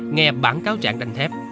nghe bảng cáo trạng đánh thép